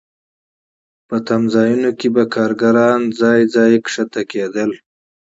په تمځایونو کې به کارګران ځای ځای ښکته کېدل